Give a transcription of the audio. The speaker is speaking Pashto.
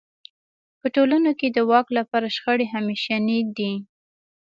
په ټولنو کې د واک لپاره شخړې همېشنۍ دي.